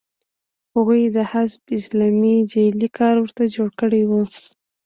هغوی د حزب اسلامي جعلي کارت ورته جوړ کړی و